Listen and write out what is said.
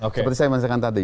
seperti saya menanyakan tadi